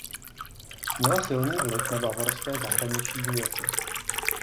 Měla silný vliv na bavorské zahraniční věci.